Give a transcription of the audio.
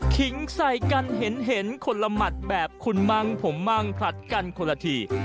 ขิงใส่กันเห็นคนละหมัดแบบคุณมั่งผมมั่งผลัดกันคนละที